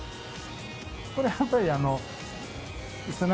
これはやっぱり。